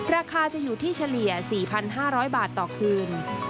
ราคาจะอยู่ที่เฉลี่ย๔๕๐๐บาทต่อคืน